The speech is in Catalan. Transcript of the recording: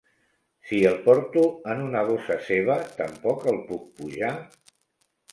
Si el porto en una bossa seva tampoc el puc pujar?